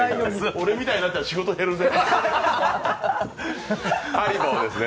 俺みたいになったら仕事減るぜ。